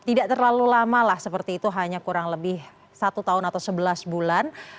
tidak terlalu lama lah seperti itu hanya kurang lebih satu tahun atau sebelas bulan